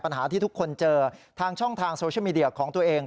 ปัญหาที่ทุกคนเจอทางช่องทางโซเชียลมีเดียของตัวเอง